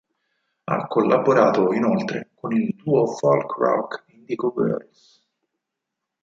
Ha collaborato inoltre con il duo folk-rock Indigo Girls.